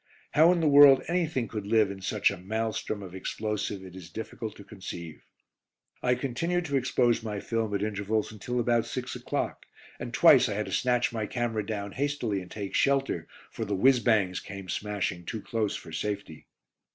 How in the world anything could live in such a maelstrom of explosive it is difficult to conceive. I continued to expose my film at intervals until about 6 o'clock, and twice I had to snatch my camera down hastily and take shelter, for the "whizz bangs" came smashing too close for safety.